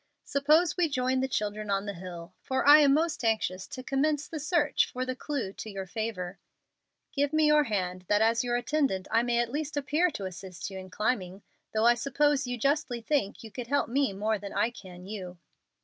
Suppose we join the children on the hill, for I am most anxious to commence the search for the clew to your favor. Give me your hand, that as your attendant I may at least appear to assist you in climbing, though I suppose you justly think you could help me more than I can you."